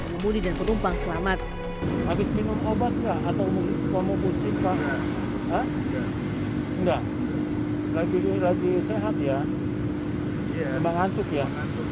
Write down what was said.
pemuli dan penumpang selamat habis minum obat atau mungkin kamu kusipan enggak lagi sehat ya